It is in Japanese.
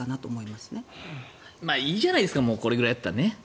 まあ、いいじゃないですかこれくらいだったらね。